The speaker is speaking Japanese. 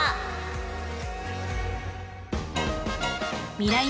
［ミライ☆